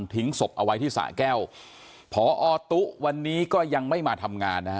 ทิ้งศพเอาไว้ที่สะแก้วพอตุ๊วันนี้ก็ยังไม่มาทำงานนะฮะ